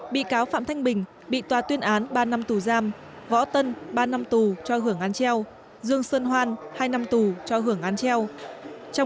bị cáo phạm thanh bình bị tòa tuyên án ba năm tù giam võ tân ba năm tù cho hưởng án treo dương sơn hoan hai năm tù cho hưởng án treo